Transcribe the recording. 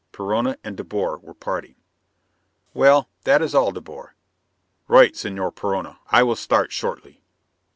Perona and De Boer were parting. "... Well, that is all, De Boer." "Right, Señor Perona. I will start shortly."